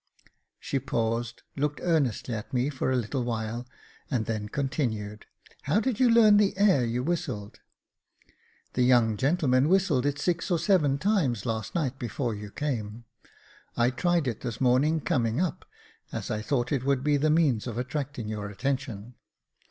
She paused, looked earnestly at me for a little while, and then continued, " How did you learn the air you whistled ?"" The young gentleman whistled it six or seven times last night before you came. I tried it this morning coming up, as I thought it would be the means of attracting your attention.